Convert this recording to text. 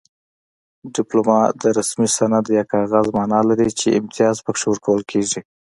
ډیپلوما د رسمي سند یا کاغذ مانا لري چې امتیاز پکې ورکول کیږي